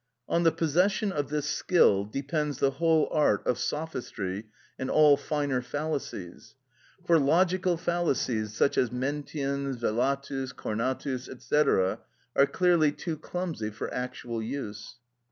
On the possession of this skill depends the whole art of sophistry and all finer fallacies; for logical fallacies such as mentiens, velatus, cornatus, &c., are clearly too clumsy for actual use.